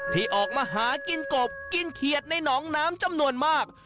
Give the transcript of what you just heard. ที่ออกมาหากินกบกินเขียดในหนองน้ำจำนวนมาก